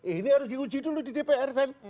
ini harus diuji dulu di dpr kan